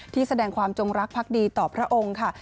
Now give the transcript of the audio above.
แสดงความจงรักภักดีต่อพระองค์ค่ะ